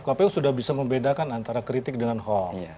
kpu sudah bisa membedakan antara kritik dengan hoax